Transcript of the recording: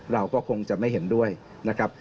เราก็คงจะไม่เห็นด้วยนะครับ